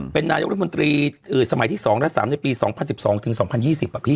เป็นนายกรัฐมนตรีสมัยที่๒และ๓ในปี๒๐๑๒ถึง๒๐๒๐อ่ะพี่